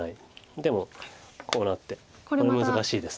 でもこうなってこれも難しいです。